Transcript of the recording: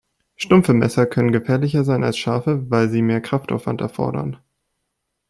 Stumpfe Messer können gefährlicher sein als scharfe, weil sie mehr Kraftaufwand erfordern.